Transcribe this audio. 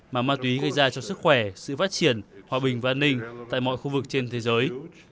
mà ma túy gây ra cho sức khỏe sự phát triển hòa bình và an ninh tại mọi khu vực trên thế giới